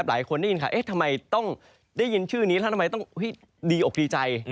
หลายคนได้ยินค่ะเอ๊ะทำไมต้องได้ยินชื่อนี้แล้วทำไมต้องดีอกดีใจ